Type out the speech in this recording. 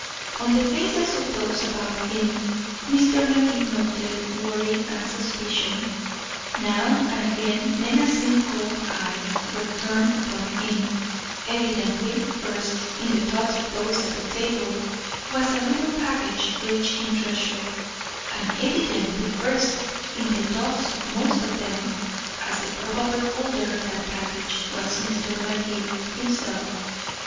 On the faces of those about him Mr. Magee noted worry and suspicion; now and again menacing cold eyes were turned upon him; evidently first in the thoughts of those at table was a little package rich in treasure; and evidently first in the thoughts of most of them, as the probable holder of that package, was Mr. Magee himself.